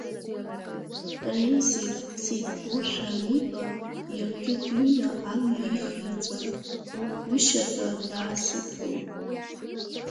Ремзик сеибгоушәа аниба, иаргьы дыҩны амҩа еихиҵәан, оҳ-гәышьа ҳәа даасыдгылт…